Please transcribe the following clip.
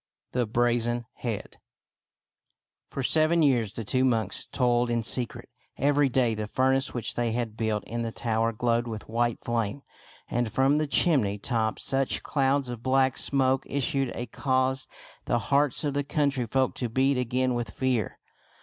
THE BRAZEN HEAD For seven years the two monks toiled in secret. Every day the furnace which they had built in the tower glowed with white flame, and from the chim ney top such clouds of black smoke issued as caused the hearts of the country folk to beat again with fear.